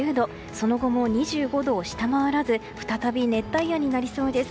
その後も２５度を下回らず再び熱帯夜になりそうです。